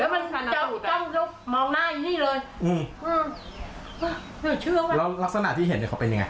แล้วมันจ้องจุ๊บมองหน้านี่เลยอืมแล้วลักษณะที่เห็นเขาเป็นยังไง